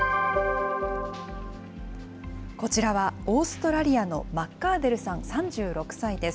こちらはオーストラリアのマッカーデルさん３６歳です。